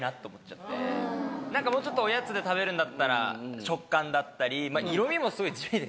何かもうちょっとおやつで食べるんだったら食感だったり。